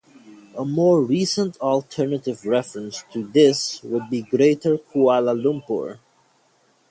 A more recent alternative reference to this would be Greater Kuala Lumpur.